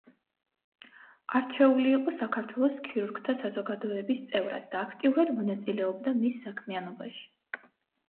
არჩეული იყო საქართველოს ქირურგთა საზოგადოების წევრად და აქტიურად მონაწილეობდა მის საქმიანობაში.